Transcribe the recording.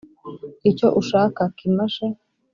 icyo ushaka kimashe